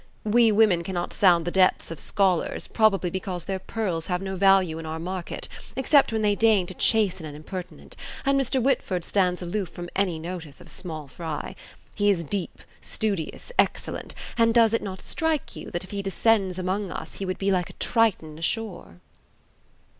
We women cannot sound the depths of scholars, probably because their pearls have no value in our market; except when they deign to chasten an impertinent; and Mr. Whitford stands aloof from any notice of small fry. He is deep, studious, excellent; and does it not strike you that if he descended among us he would be like a Triton ashore?"